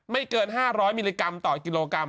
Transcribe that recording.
เกิน๕๐๐มิลลิกรัมต่อกิโลกรัม